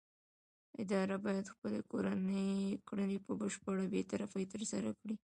اداره باید خپلې کړنې په بشپړه بې طرفۍ ترسره کړي.